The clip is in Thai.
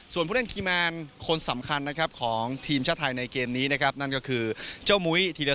ส่วนผู้เล่นกีแมนคนสำคัญของทีมชะไทยในเกมนี้ก็คือเจ้าเหม้าธิรสินแดงดา